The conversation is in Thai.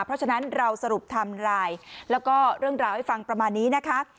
เพราะฉะนั้นเราสรุปไทม์ไลน์แล้วก็เรื่องราวให้ฟังประมาณนี้นะคะ